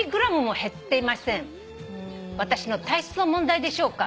「私の体質の問題でしょうか？